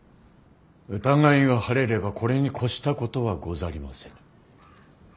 疑いが晴れればこれに越したことはござりませぬ。